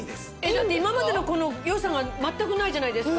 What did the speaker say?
だって今までの良さが全くないじゃないですか。